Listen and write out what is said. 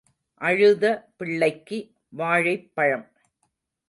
அழுத பிள்ளைக்கு வாழைப்பழம்.